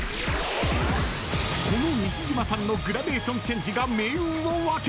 ［この西島さんのグラデーションチェンジが命運を分ける！］